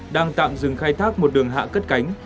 đang tạm dừng khai thác một đường hạ cất cánh